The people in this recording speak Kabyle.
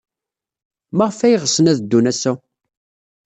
Maɣef ay ɣsen ad ddun ass-a?